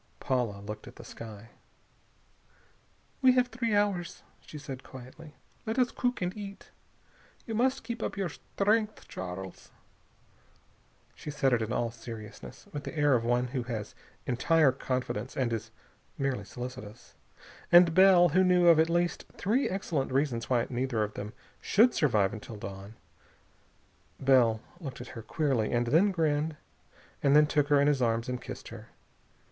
Paula looked at the sky. "We have three hours," she said quietly. "Let us cook and eat. You must keep up your strength, Charles." She said it in all seriousness, with the air of one who has entire confidence and is merely solicitous. And Bell, who knew of at least three excellent reasons why neither of them should survive until dawn Bell looked at her queerly, and then grinned, and then took her in his arms and kissed her.